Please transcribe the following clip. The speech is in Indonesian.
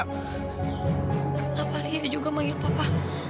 kenapa dia juga manggil papa